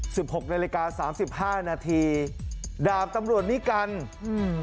หกนาฬิกาสามสิบห้านาทีดาบตำรวจนิกัลอืม